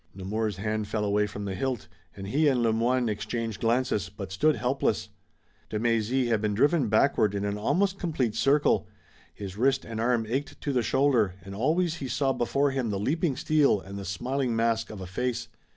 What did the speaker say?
Nemours' hand fell away from the hilt, and he and Le Moyne exchanged glances, but stood helpless. De Mézy had been driven backward in an almost complete circle. His wrist and arm ached to the shoulder, and always he saw before him the leaping steel and the smiling mask of a face.